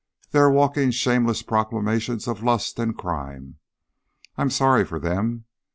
They are walking shameless proclamations of lust and crime. I'm sorry for them.